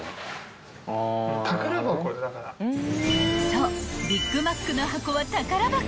［そうビッグマックの箱は宝箱］